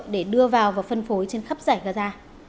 để đưa vào và phân phối trên khắp giải gaza